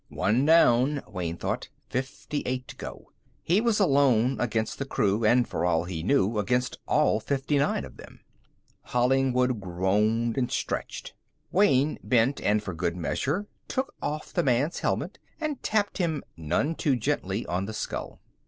One down, Wayne thought. Fifty eight to go. He was alone against the crew and, for all he knew, against all fifty nine of them. Hollingwood groaned and stretched. Wayne bent and, for good measure, took off the man's helmet and tapped him none too gently on the skull.